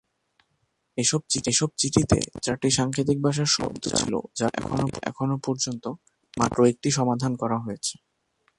এসব চিঠিতে চারটি সাংকেতিক ভাষার শব্দ ছিল যার মধ্যে এখন পর্যন্ত মাত্র একটি সমাধান করা হয়েছে।